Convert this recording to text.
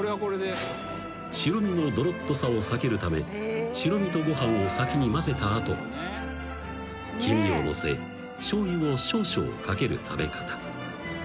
［白身のどろっとさを避けるため白身とご飯を先にまぜた後黄身をのせしょうゆを少々かける食べ方］